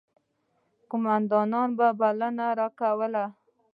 قوماندان به بلنه راکوله.